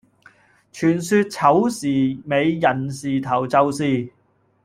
傳說丑時尾寅時頭就是